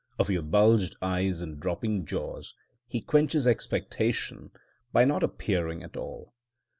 of your bulged eyes and dropping jaw, he quenches expectation by not appearing at all.